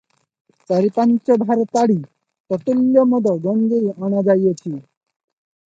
ଚାରି ପାଞ୍ଚ ଭାର ତାଡ଼ି, ତତ୍ତୁଲ୍ୟ ମଦ ଗଞ୍ଜେଇ ଅଣା ଯାଇଅଛି ।